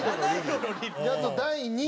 あと、第２位。